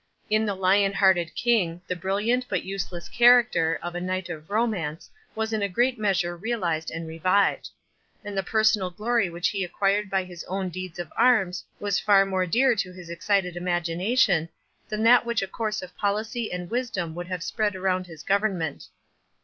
In the lion hearted King, the brilliant, but useless character, of a knight of romance, was in a great measure realized and revived; and the personal glory which he acquired by his own deeds of arms, was far more dear to his excited imagination, than that which a course of policy and wisdom would have spread around his government.